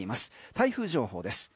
台風情報です。